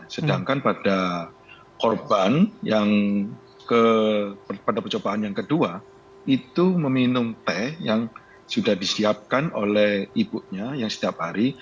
sedangkan pada korban yang pada percobaan yang kedua itu meminum teh yang sudah disiapkan oleh ibunya yang setiap hari